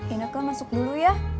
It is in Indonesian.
inek ke masuk dulu ya